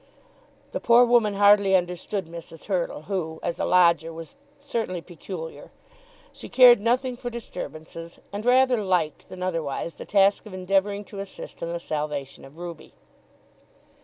The poor woman hardly understood Mrs. Hurtle, who, as a lodger, was certainly peculiar. She cared nothing for disturbances, and rather liked than otherwise the task of endeavouring to assist in the salvation of Ruby.